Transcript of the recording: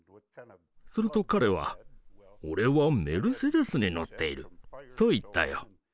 すると彼は「俺はメルセデスに乗っている」と言ったよ。